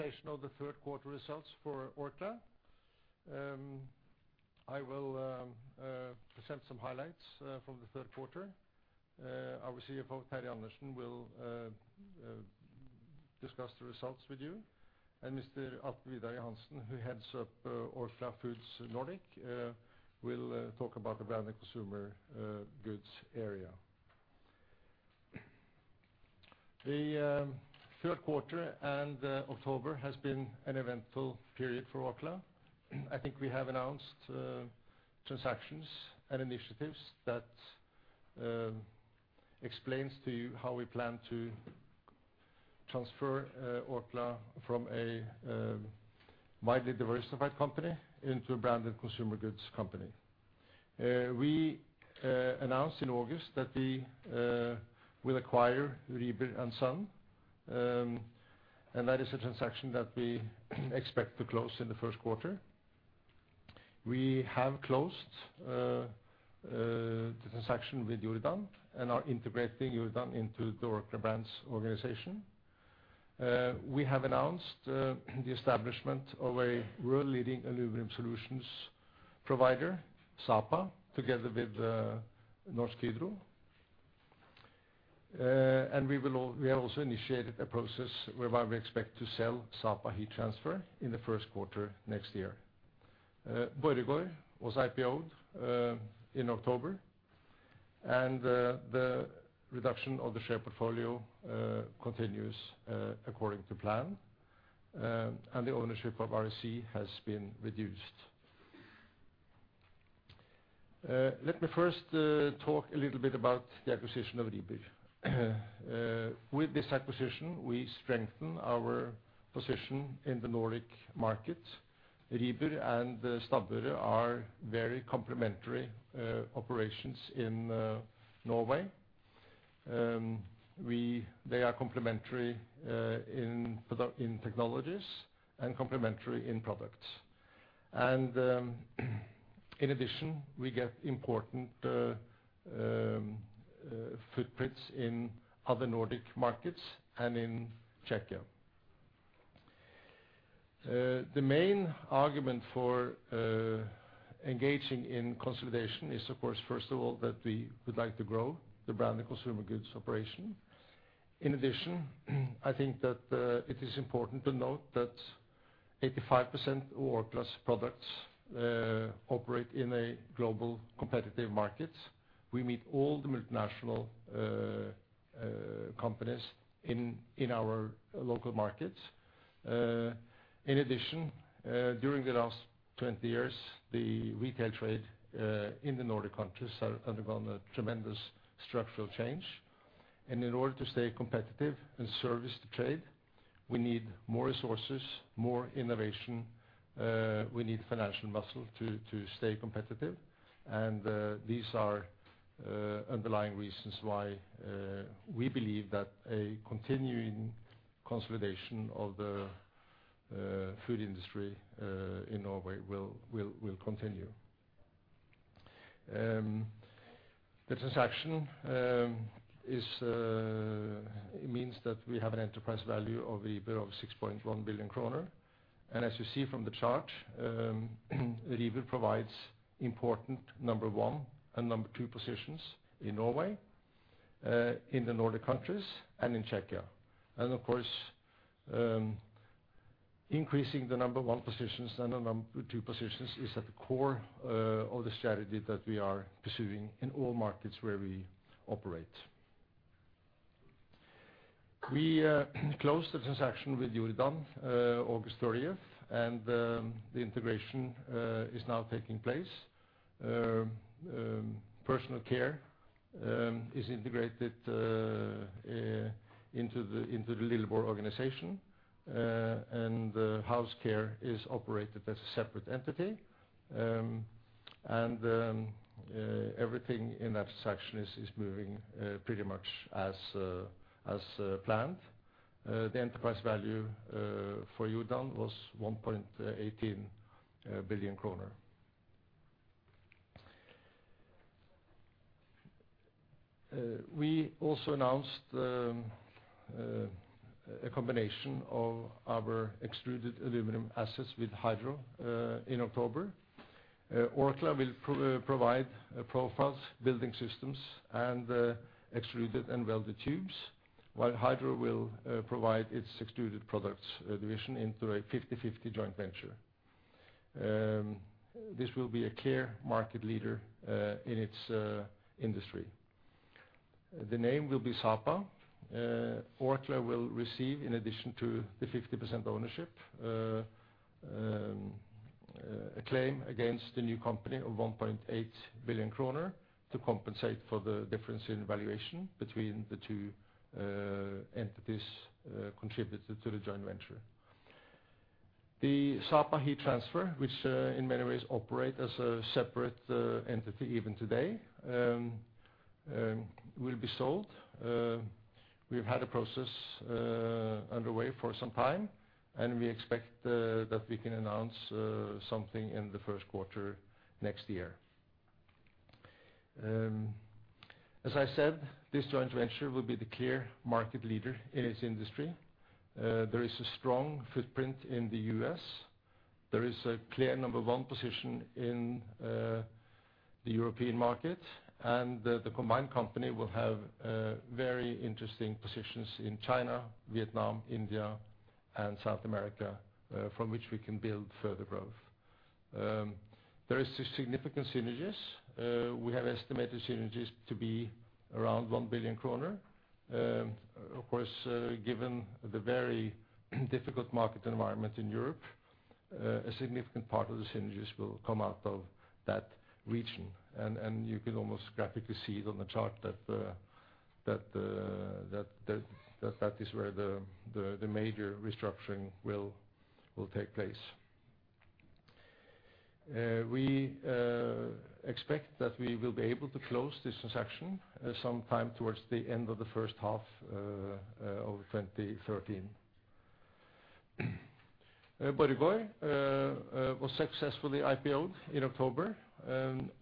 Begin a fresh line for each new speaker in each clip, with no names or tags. Presentation of the third quarter results for Orkla. I will present some highlights from the third quarter. Our CFO, Terje Andersen, will discuss the results with you. Mr. Alf Vidar Hansen, who heads up Orkla Foods Nordic, will talk about the branded consumer goods area. The third quarter and October has been an eventful period for Orkla. I think we have announced transactions and initiatives that explains to you how we plan to transfer Orkla from a widely diversified company into a branded consumer goods company. We announced in August that we will acquire Rieber & Søn. That is a transaction that we expect to close in the first quarter. We have closed the transaction with Jordan and are integrating Jordan into the Orkla Brands organization. We have announced the establishment of a world-leading aluminum solutions provider, Sapa, together with Norsk Hydro. We have also initiated a process whereby we expect to sell Sapa Heat Transfer in the first quarter next year. Borregaard was IPO'd in October, the reduction of the share portfolio continues according to plan. The ownership of REC has been reduced. Let me first talk a little bit about the acquisition of Rieber. With this acquisition, we strengthen our position in the Nordic market. Rieber and Stabburet are very complementary operations in Norway. They are complementary in technologies and complementary in products. In addition, we get important footprints in other Nordic markets and in Czechia. The main argument for engaging in consolidation is, of course, first of all, that we would like to grow the Branded Consumer Goods operation. In addition, I think that it is important to note that 85% of Orkla's products operate in a global competitive market. We meet all the multinational companies in our local markets. In addition, during the last 20 years, the retail trade in the Nordic countries have undergone a tremendous structural change, and in order to stay competitive and service the trade, we need more resources, more innovation, we need financial muscle to stay competitive. These are underlying reasons why we believe that a continuing consolidation of the food industry in Norway will continue. The transaction means that we have an enterprise value of Rieber of 6.1 billion kroner. As you see from the chart, Rieber provides important number one and number two positions in Norway, in the Nordic countries, and in Czechia. Of course, increasing the number one positions and the number two positions is at the core of the strategy that we are pursuing in all markets where we operate. We closed the transaction with Jordan August 30th, and the integration is now taking place. Personal care is integrated into the Lilleborg organization and house care is operated as a separate entity. Everything in that section is moving pretty much as planned. The enterprise value for Jordan was NOK 1.18 billion. We also announced a combination of our extruded aluminum assets with Hydro in October. Orkla will provide profiles, building systems, and extruded and welded tubes, while Hydro will provide its extruded products division into a 50/50 joint venture. This will be a clear market leader in its industry. The name will be Sapa. Orkla will receive, in addition to the 50% ownership, a claim against the new company of 1.8 billion kroner to compensate for the difference in valuation between the two entities contributed to the joint venture. The Sapa Heat Transfer, which in many ways operate as a separate entity even today, will be sold. We've had a process underway for some time, we expect that we can announce something in the first quarter next year. As I said, this joint venture will be the clear market leader in its industry. There is a strong footprint in the U.S. There is a clear number one position in the European market, the combined company will have very interesting positions in China, Vietnam, India, and South America, from which we can build further growth. There is significant synergies. We have estimated synergies to be around 1 billion kroner. Of course, given the very difficult market environment in Europe, a significant part of the synergies will come out of that region. You can almost graphically see it on the chart that that is where the major restructuring will take place. We expect that we will be able to close this transaction sometime towards the end of the first half of 2013. Borregaard was successfully IPO'd in October.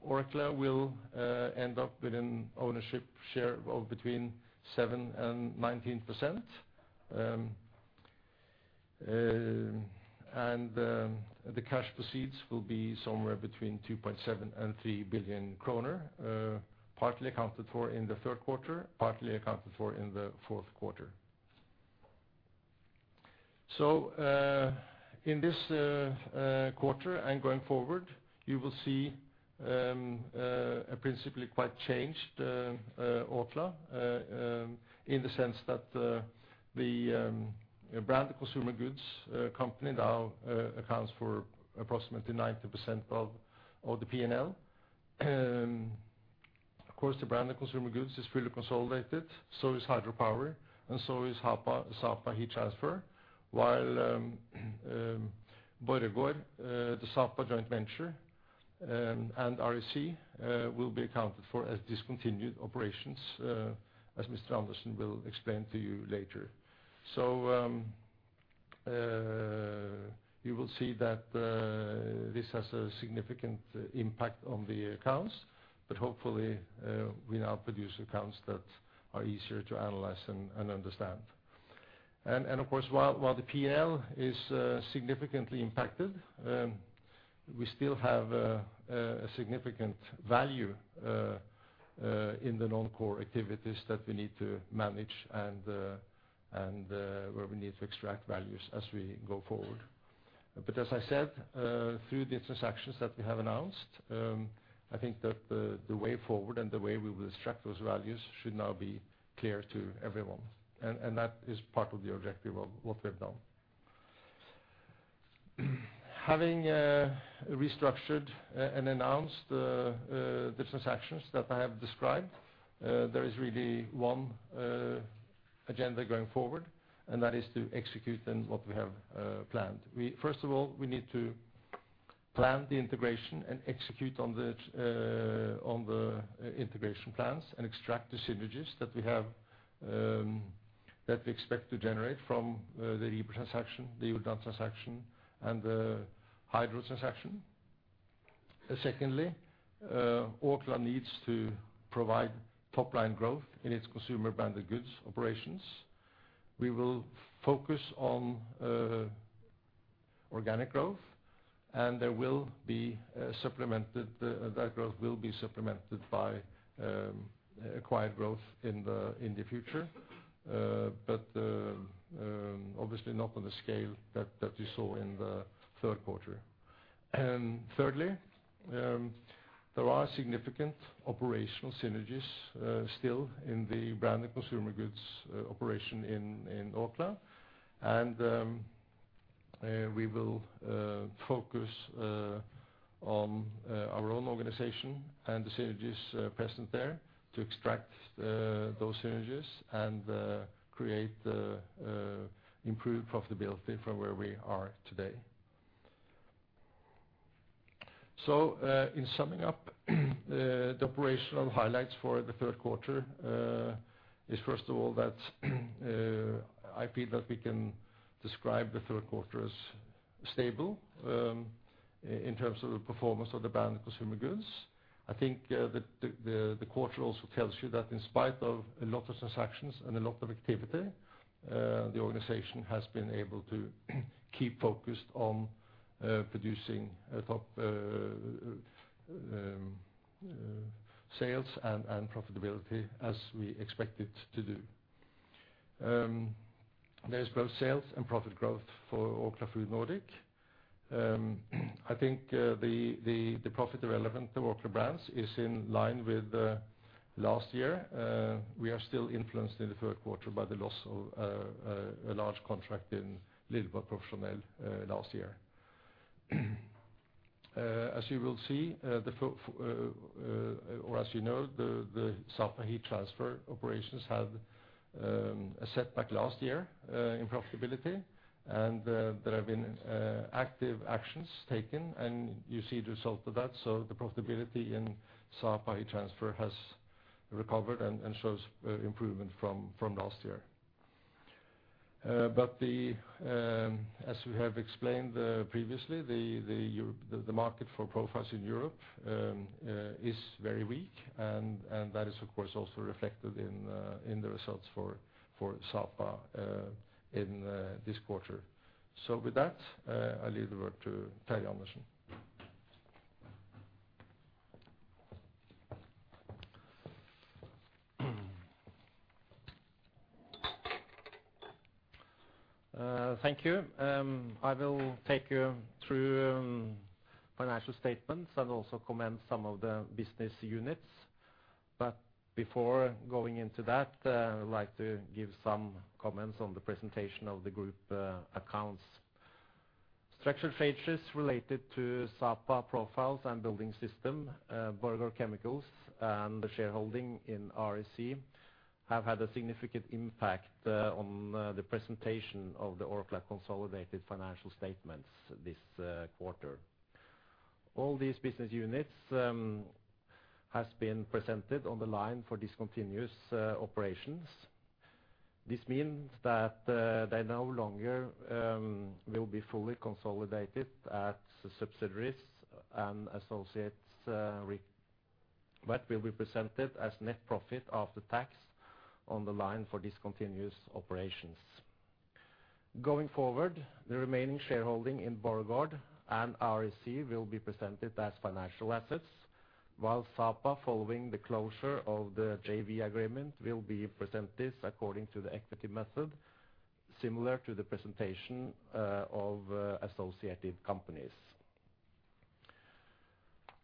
Orkla will end up with an ownership share of between 7% and 19%. The cash proceeds will be somewhere between 2.7 billion and 3 billion kroner, partly accounted for in the third quarter, partly accounted for in the fourth quarter. In this quarter and going forward, you will see a principally quite changed Orkla in the sense that the branded consumer goods company now accounts for approximately 90% of the P&L. Of course, the branded consumer goods is fully consolidated, so is hydropower, and so is Sapa Heat Transfer. While Borregaard, the Sapa joint venture, and RSE will be accounted for as discontinued operations, as Mr. Andersen will explain to you later. You will see that this has a significant impact on the accounts, but hopefully, we now produce accounts that are easier to analyze and understand. Of course, while the P&L is significantly impacted, we still have a significant value in the non-core activities that we need to manage and where we need to extract values as we go forward. As I said, through the transactions that we have announced, I think that the way forward and the way we will extract those values should now be clear to everyone. That is part of the objective of what we've done. Having restructured and announced the transactions that I have described, there is really one agenda going forward, and that is to execute on what we have planned. First of all, we need to plan the integration and execute on the integration plans and extract the synergies that we have that we expect to generate from the Rieber transaction, Rieber & Søn transaction, and the Hydro transaction. Secondly, Orkla needs to provide top-line growth in its Branded Consumer Goods operations. We will focus on organic growth, that growth will be supplemented by acquired growth in the future. Obviously not on the scale that you saw in the third quarter. Thirdly, there are significant operational synergies still in the branded consumer goods operation in Orkla. We will focus on our own organization and the synergies present there to extract those synergies and create improved profitability from where we are today. In summing up the operational highlights for the third quarter is first of all, that I feel that we can describe the third quarter as stable in terms of the performance of the branded consumer goods. I think the quarter also tells you that in spite of a lot of transactions and a lot of activity, the organization has been able to keep focused on producing top sales and profitability as we expect it to do. There's both sales and profit growth for Orkla Foods Nordic. I think the profit development of Orkla Brands is in line with last year. We are still influenced in the third quarter by the loss of a large contract in Lilleborg Profesjonell last year. As you will see, or as you know, the Sapa Heat Transfer operations had a setback last year in profitability, and there have been active actions taken, and you see the result of that. The profitability in Sapa Heat Transfer has recovered and shows improvement from last year. As we have explained previously, the market for profiles in Europe is very weak. That is, of course, also reflected in the results for Sapa, in this quarter. With that, I leave the word to Terje Andersen.
Thank you. I will take you through financial statements and also comment some of the business units. Before going into that, I'd like to give some comments on the presentation of the group accounts. Structural changes related to Sapa Profiles and Building System, Borregaard Chemicals, and the shareholding in REC, have had a significant impact on the presentation of the Orkla consolidated financial statements this quarter. All these business units has been presented on the line for Discontinued operations. This means that they no longer will be fully consolidated at subsidiaries and associates, but will be presented as net profit after tax on the line for Discontinued operations. Going forward, the remaining shareholding in Borregaard and REC will be presented as financial assets, while Sapa, following the closure of the JV agreement, will be presented according to the equity method, similar to the presentation of associated companies.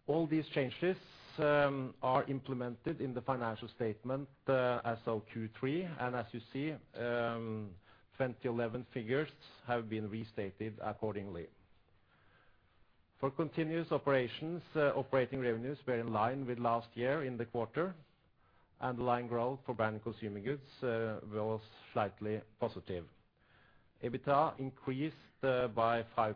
All these changes are implemented in the financial statement as of Q3. As you see, 2011 figures have been restated accordingly. For continuous operations, operating revenues were in line with last year in the quarter, and line growth for Branded Consumer Goods was slightly positive. EBITA increased by 5%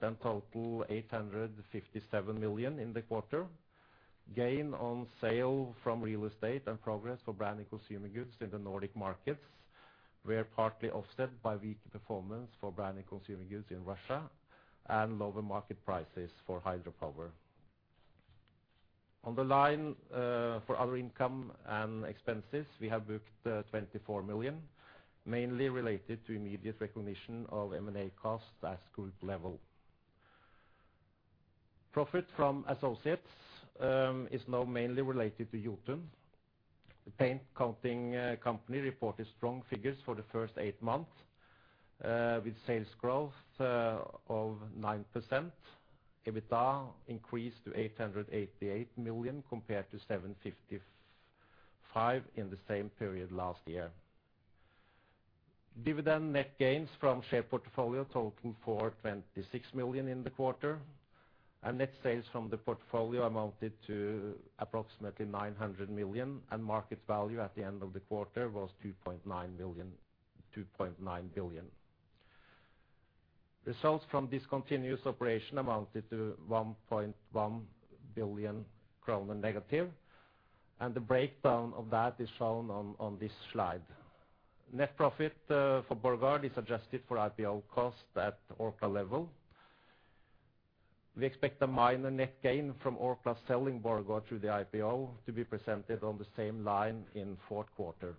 and total 857 million in the quarter. Gain on sale from real estate and progress for Branded Consumer Goods in the Nordic markets were partly offset by weak performance for Branded Consumer Goods in Russia, and lower market prices for hydropower. On the line, for other income and expenses, we have booked 24 million, mainly related to immediate recognition of M&A costs at group level. Profit from associates is now mainly related to Jotun. The paint coating company reported strong figures for the first eight months, with sales growth of 9%. EBITA increased to 888 million, compared to 755 in the same period last year. Dividend net gains from share portfolio totaling 426 million in the quarter. Net sales from the portfolio amounted to approximately 900 million. Market value at the end of the quarter was 2.9 billion. Results from discontinued operations amounted to 1.1 billion kroner negative. The breakdown of that is shown on this slide. Net profit for Borregaard is adjusted for IPO cost at Orkla level. We expect a minor net gain from Orkla selling Borregaard through the IPO to be presented on the same line in fourth quarter.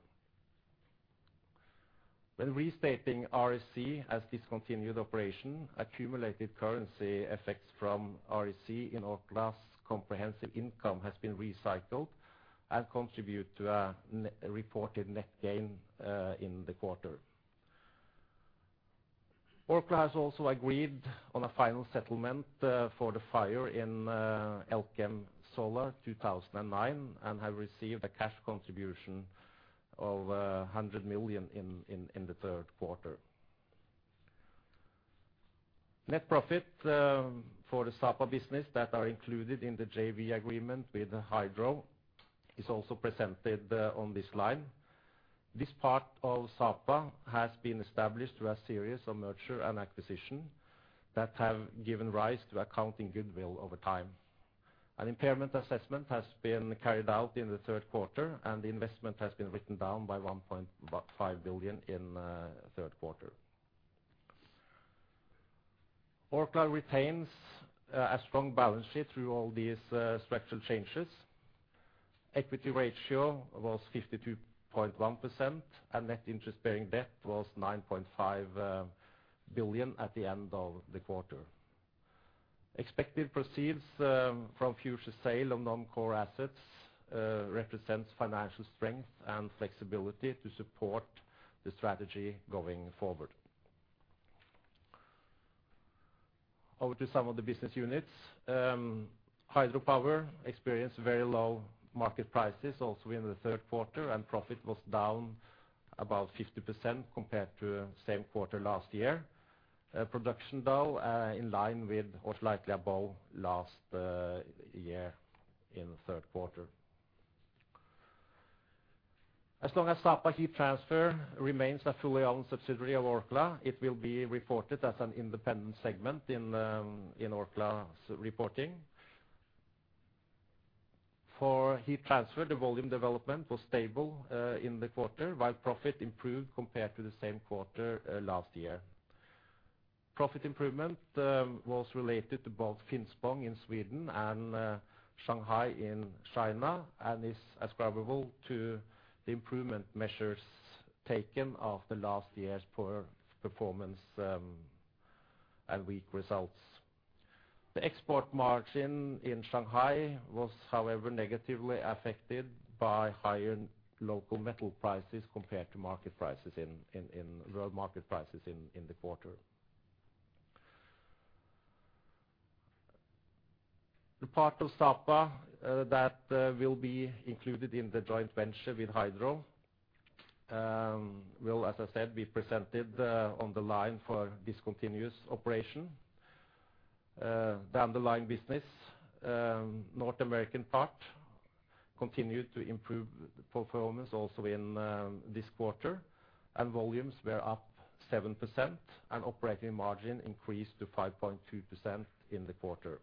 When restating REC as discontinued operations, accumulated currency effects from REC in Orkla's comprehensive income has been recycled and contribute to a reported net gain in the quarter. Orkla has also agreed on a final settlement for the fire in Elkem Solar in 2009, and have received a cash contribution of 100 million in the third quarter. Net profit for the Sapa business that are included in the JV agreement with Norsk Hydro, is also presented on this line. This part of Sapa has been established through a series of merger and acquisition, that have given rise to accounting goodwill over time. An impairment assessment has been carried out in the third quarter. The investment has been written down by 1.5 billion in the third quarter. Orkla retains a strong balance sheet through all these structural changes. Equity ratio was 52.1%. Net interest-bearing debt was 9.5 billion at the end of the quarter. Expected proceeds from future sale of non-core assets represents financial strength and flexibility to support the strategy going forward. Over to some of the business units. Hydropower experienced very low market prices, also in the third quarter. Profit was down about 50% compared to same quarter last year. Production, though, in line with or slightly above last year in the third quarter. As long as Sapa Heat Transfer remains a fully owned subsidiary of Orkla, it will be reported as an independent segment in Orkla's reporting. For heat transfer, the volume development was stable in the quarter, while profit improved compared to the same quarter last year. Profit improvement was related to both Finspång in Sweden and Shanghai in China, and is ascribable to the improvement measures taken after last year's poor performance and weak results. The export margin in Shanghai was, however, negatively affected by higher local metal prices compared to world market prices in the quarter. The part of Sapa that will be included in the joint venture with Hydro will, as I said, be presented on the line for discontinuous operation. The underlying business, North American part continued to improve performance also in this quarter, and volumes were up 7%, and operating margin increased to 5.2% in the quarter.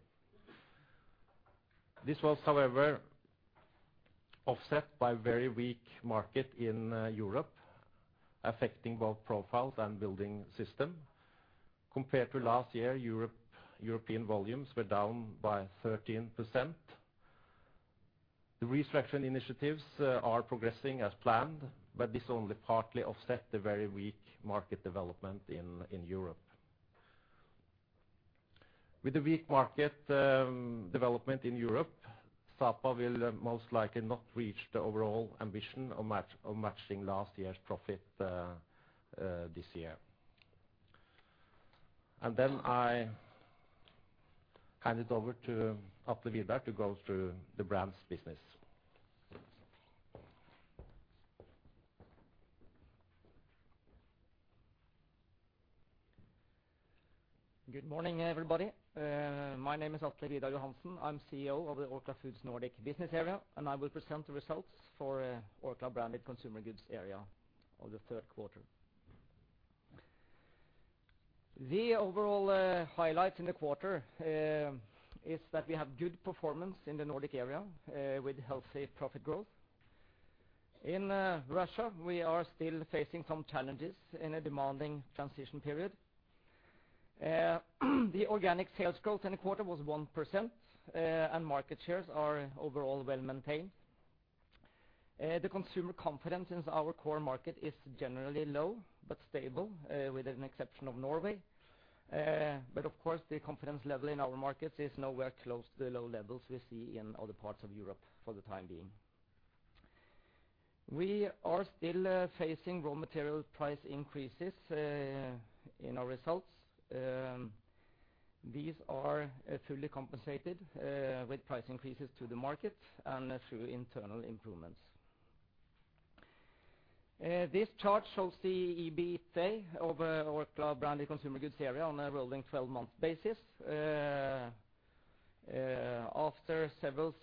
This was, however, offset by very weak market in Europe, affecting both Profiles and Building System. Compared to last year, European volumes were down by 13%. The restructuring initiatives are progressing as planned, but this only partly offset the very weak market development in Europe. With the weak market development in Europe, Sapa will most likely not reach the overall ambition of matching last year's profit this year. Then I hand it over to Atle Vidar to go through the brands business.
Good morning, everybody. My name is Atle Vidar Johansen. I'm CEO of the Orkla Foods Nordic business area. I will present the results for Orkla Branded Consumer Goods area of the third quarter. The overall highlights in the quarter is that we have good performance in the Nordic area with healthy profit growth. In Russia, we are still facing some challenges in a demanding transition period. The organic sales growth in the quarter was 1%. Market shares are overall well-maintained. The consumer confidence in our core market is generally low, but stable, with an exception of Norway. Of course, the confidence level in our markets is nowhere close to the low levels we see in other parts of Europe for the time being. We are still facing raw material price increases in our results. These are fully compensated with price increases to the market and through internal improvements. This chart shows the EBITA of Orkla Branded Consumer Goods area on a rolling 12-month basis. After several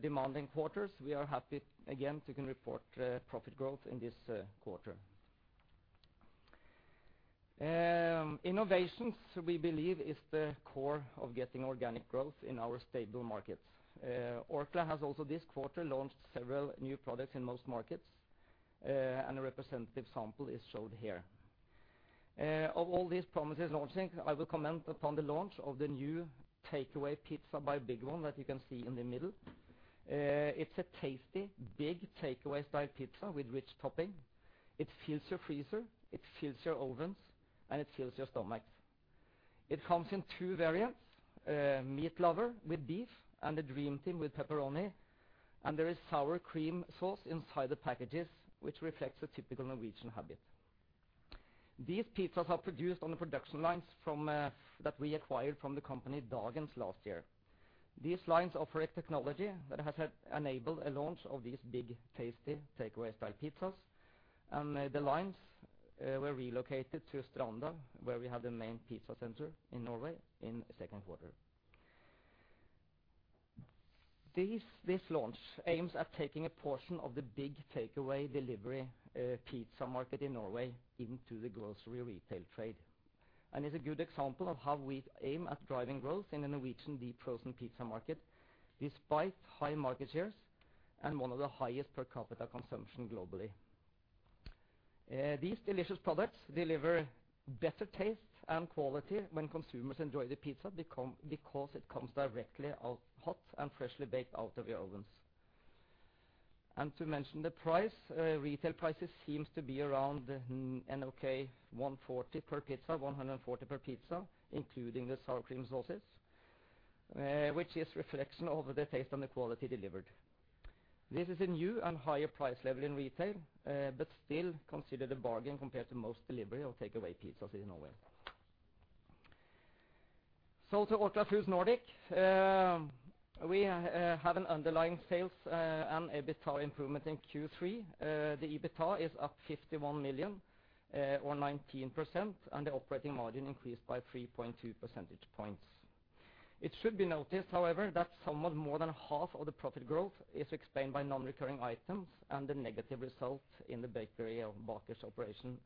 demanding quarters, we are happy again to can report profit growth in this quarter. Innovations, we believe, is the core of getting organic growth in our stable markets. Orkla has also, this quarter, launched several new products in most markets, and a representative sample is showed here. Of all these promises launching, I will comment upon the launch of the new takeaway pizza by BigOne, that you can see in the middle. It's a tasty, big, takeaway-style pizza with rich topping. It fills your freezer, it fills your ovens, and it fills your stomachs. It comes in two variants: meat lover with beef and the dream team with pepperoni, and there is sour cream sauce inside the packages, which reflects the typical Norwegian habit. These pizzas are produced on the production lines from that we acquired from the company Dagens last year. These lines offer a technology that has helped enable a launch of these big, tasty, takeaway-style pizzas. The lines were relocated to Stranda, where we have the main pizza center in Norway, in the second quarter. This launch aims at taking a portion of the big takeaway delivery pizza market in Norway into the grocery retail trade, and is a good example of how we aim at driving growth in the Norwegian deep frozen pizza market, despite high market shares and one of the highest per capita consumption globally. These delicious products deliver better taste and quality when consumers enjoy the pizza, because it comes directly out hot and freshly baked out of your ovens. To mention the price, retail prices seems to be around 140 per pizza, including the sour cream sauces, which is reflection of the taste and the quality delivered. This is a new and higher price level in retail, but still considered a bargain compared to most delivery or takeaway pizzas in Norway. To Orkla Foods Nordic, we have an underlying sales and EBITDA improvement in Q3. The EBITDA is up 51 million, or 19%, and the operating margin increased by 3.2 percentage points. It should be noticed, however, that somewhat more than half of the profit growth is explained by non-recurring items and the negative result in the bakery of Baker's operation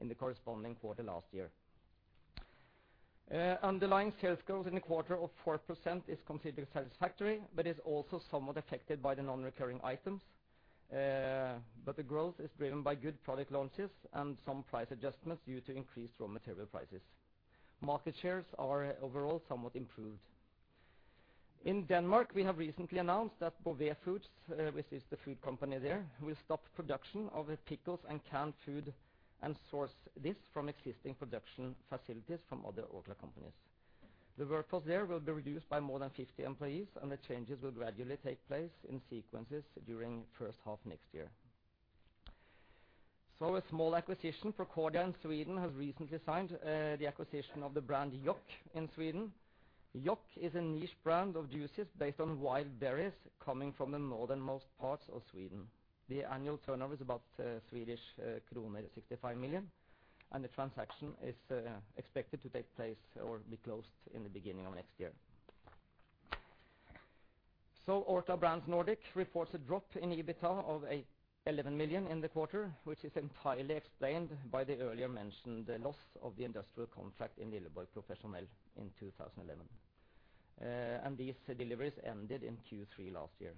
in the corresponding quarter last year. Underlying sales growth in the quarter of 4% is considered satisfactory, but is also somewhat affected by the non-recurring items. The growth is driven by good product launches and some price adjustments due to increased raw material prices. Market shares are overall somewhat improved. In Denmark, we have recently announced that Beauvais Foods, which is the food company there, will stop production of the pickles and canned food and source this from existing production facilities from other Orkla companies. The workforce there will be reduced by more than 50 employees, and the changes will gradually take place in sequences during first half next year. A small acquisition, Procordia in Sweden, has recently signed the acquisition of the brand JOKK in Sweden. JOKK is a niche brand of juices based on wild berries coming from the northernmost parts of Sweden. The annual turnover is about Swedish kronor 65 million, and the transaction is expected to take place or be closed in the beginning of next year. Orkla Brands Nordic reports a drop in EBITA of 11 million in the quarter, which is entirely explained by the earlier mentioned loss of the industrial contract in Lilleborg Profesjonell in 2011. These deliveries ended in Q3 last year.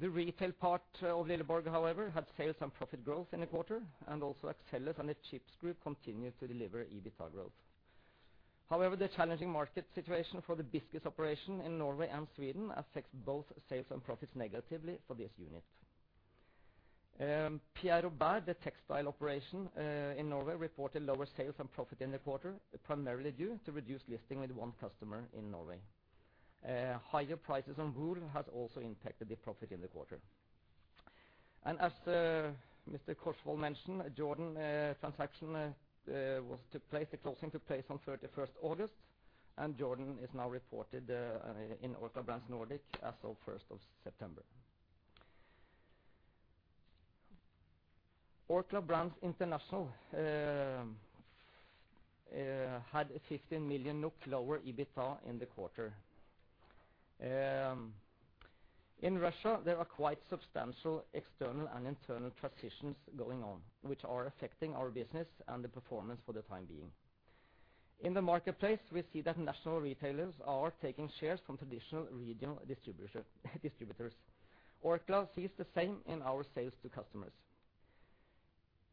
The retail part of Lilleborg, however, had sales and profit growth in the quarter, and also Axellus and the Chips Group continued to deliver EBITA growth. The challenging market situation for the biscuits operation in Norway and Sweden affects both sales and profits negatively for this unit. Pierre Robert, the textile operation, in Norway, reported lower sales and profit in the quarter, primarily due to reduced listing with one customer in Norway. Higher prices on wool has also impacted the profit in the quarter. As Mr. Korsvoll mentioned, Jordan, transaction, was took place, the closing took place on 31st August, and Jordan is now reported, in Orkla Brands Nordic as of 1st of September. Orkla Brands International had a 15 million NOK lower EBITA in the quarter. In Russia, there are quite substantial external and internal transitions going on, which are affecting our business and the performance for the time being. In the marketplace, we see that national retailers are taking shares from traditional regional distributors. Orkla sees the same in our sales to customers.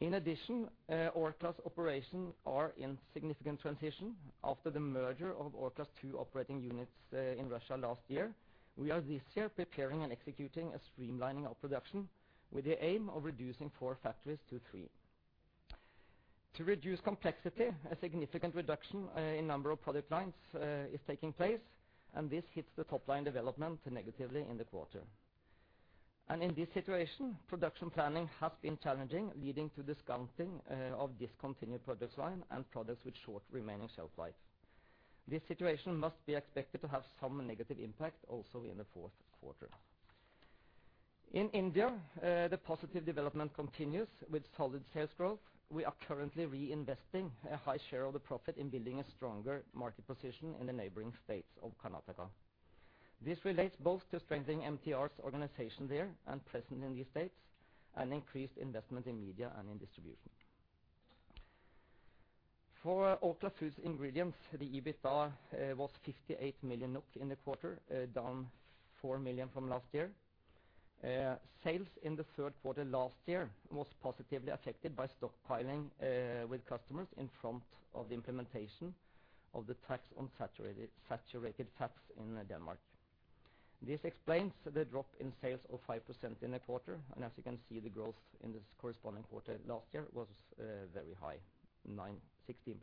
In addition, Orkla's operation are in significant transition. After the merger of Orkla's two operating units, in Russia last year, we are this year preparing and executing a streamlining of production with the aim of reducing four factories to three. To reduce complexity, a significant reduction in number of product lines is taking place, this hits the top line development negatively in the quarter. In this situation, production planning has been challenging, leading to discounting of discontinued product line and products with short remaining shelf life. This situation must be expected to have some negative impact also in the fourth quarter. In India, the positive development continues with solid sales growth. We are currently reinvesting a high share of the profit in building a stronger market position in the neighboring states of Karnataka. This relates both to strengthening MTR's organization there and presence in these states and increased investment in media and in distribution. For Orkla Food Ingredients, the EBITA was 58 million NOK in the quarter, down 4 million from last year. Sales in the third quarter last year was positively affected by stockpiling with customers in front of the implementation of the tax on saturated fats in Denmark. This explains the drop in sales of 5% in the quarter. As you can see, the growth in this corresponding quarter last year was very high, 16%.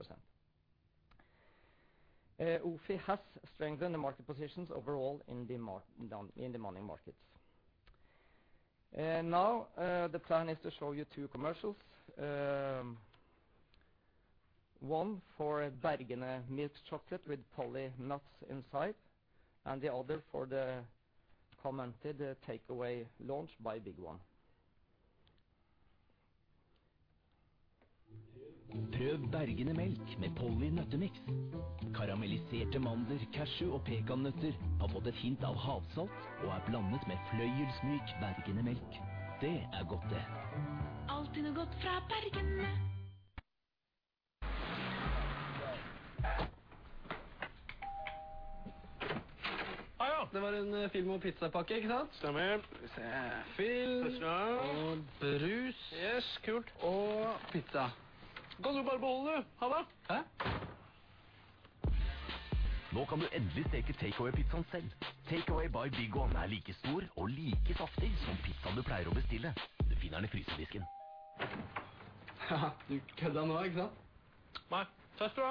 OFI has strengthened the market positions overall in the mining markets. Now, the plan is to show you two commercials. One for Bergene milk chocolate with Polly nuts inside, the other for the commented takeaway launch by BigOne.
Try Bergene milk with Polly nut mix. Caramelized almonds, cashew and pecan nuts have gotten a touch of sea salt and are mixed with velvet smooth Bergene milk. That's good. Always something good from Bergene. Hi, there! It was a film and pizza package, right? Correct. Let's see. Thanks. and soda. Yes, cool. pizza. You can just keep the change. Bye. Huh? Now you can finally bake the takeaway pizza yourself. Takeaway by Big One is just as big and just as juicy as the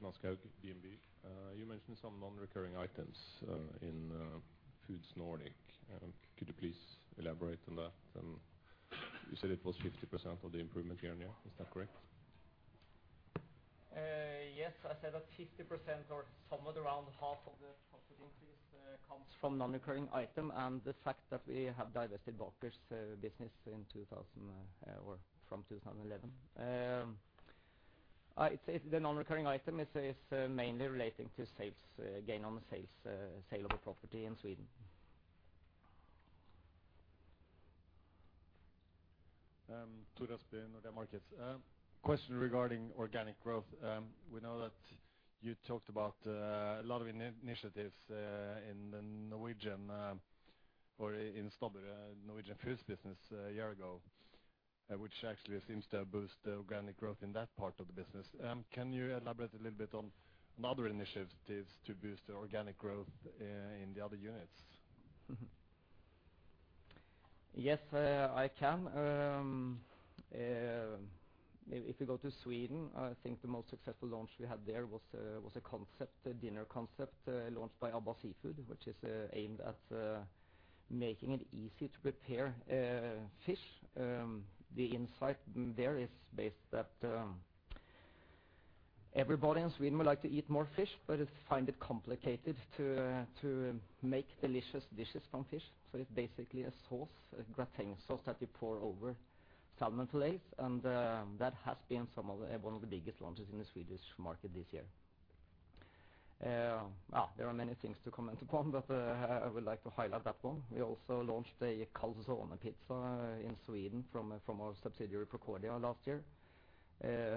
pizza you usually order. You will find it in the freezer section. You were kidding now, right? No. Thanks a lot!
Håkon Oskaug, DNB. You mentioned some nonrecurring items in Foods Nordic. Could you please elaborate on that? You said it was 50% of the improvement year-on-year, is that correct?
Yes, I said that 50% or somewhat around half of the profit increase comes from nonrecurring item and the fact that we have divested Borregaard business in 2,000 or from 2011. The nonrecurring item is mainly relating to sales gain on the sales sale of a property in Sweden.
Tore Aspaas, Nordea Markets. Question regarding organic growth. We know that you talked about a lot of initiatives in the Norwegian, or in Stabburet, Norwegian Foods business a year ago, which actually seems to have boost the organic growth in that part of the business. Can you elaborate a little bit on other initiatives to boost the organic growth in the other units?
Yes, I can. If we go to Sweden, I think the most successful launch we had there was a concept, a dinner concept, launched by Abba Seafood, which is aimed at making it easy to prepare fish. The insight there is based that everybody in Sweden would like to eat more fish, but they find it complicated to make delicious dishes from fish. It's basically a sauce, a gratin sauce, that you pour over salmon fillets, and that has been one of the biggest launches in the Swedish market this year. There are many things to comment upon, but I would like to highlight that one. We also launched a calzone pizza in Sweden from our subsidiary, Procordia, last year.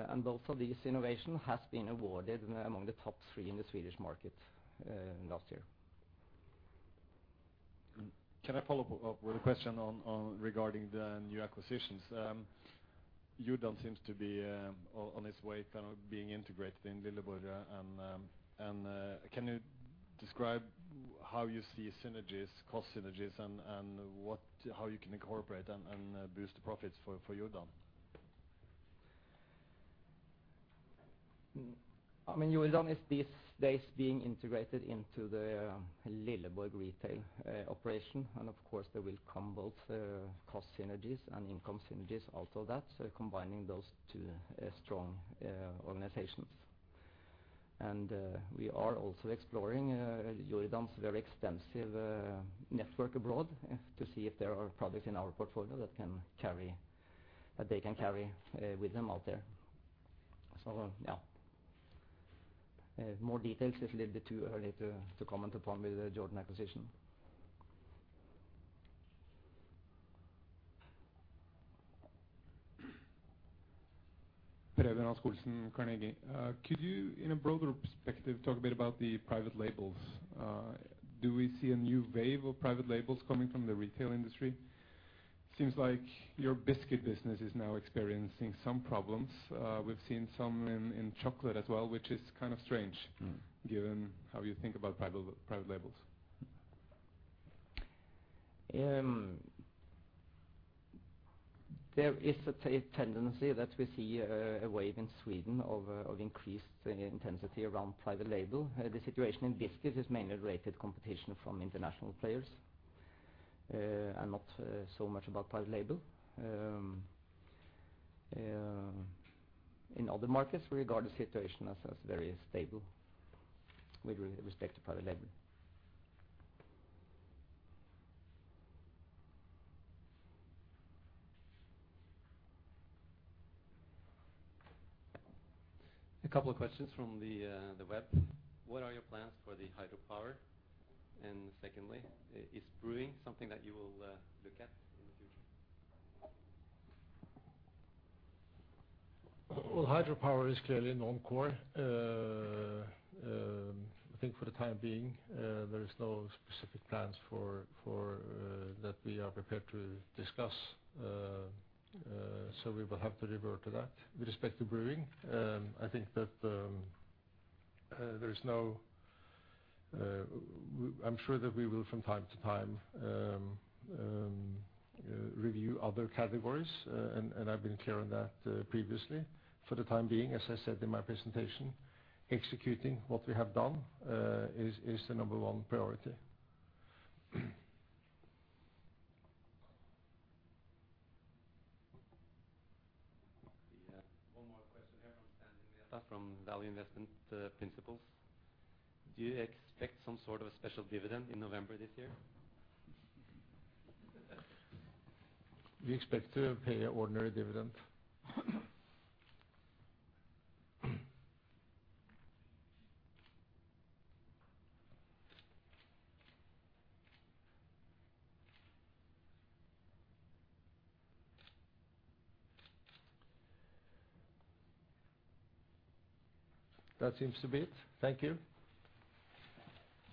Also, this innovation has been awarded among the top three in the Swedish market, last year.
Can I follow up with a question on regarding the new acquisitions? Jordan seems to be on its way kind of being integrated in Lilleborg and can you describe how you see synergies, cost synergies, and what how you can incorporate and boost the profits for Jordan?
I mean, Jordan is this being integrated into the Lilleborg retail operation. Of course, there will come both cost synergies and income synergies out of that, combining those two strong organizations. We are also exploring Jordan's very extensive network abroad, to see if there are products in our portfolio that they can carry with them out there. Yeah. More details, it's a little bit too early to comment upon with the Jordan acquisition.
Per Even Olsen, Carnegie. Could you, in a broader perspective, talk a bit about the private labels? Do we see a new wave of private labels coming from the retail industry? Seems like your biscuit business is now experiencing some problems. We've seen some in chocolate as well, which is kind of.
Mm.
given how you think about private labels.
There is a tendency that we see a wave in Sweden of increased intensity around private label. The situation in biscuits is mainly related to competition from international players, and not so much about private label. In other markets, we regard the situation as very stable with respect to private label.
A couple of questions from the web. What are your plans for the hydropower? Secondly, is brewing something that you will look at in the future?
Hydropower is clearly non-core. I think for the time being, there is no specific plans for that we are prepared to discuss. We will have to revert to that. With respect to brewing, I think that there is no. I'm sure that we will, from time to time, review other categories, and I've been clear on that previously. For the time being, as I said in my presentation, executing what we have done is the number 1 priority.
We have one more question here from Stanley Eta from Value Investment Principles. Do you expect some sort of a special dividend in November this year?
We expect to pay an ordinary dividend. That seems to be it. Thank you.